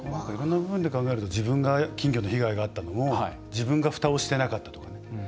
いろんな部分で考えると自分が、金魚の被害があったのも自分がふたをしてなかったとかね。